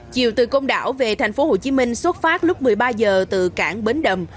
chiều từ công đảo về thành phố hồ chí minh xuất phát lúc một mươi ba giờ từ cảng bến đầm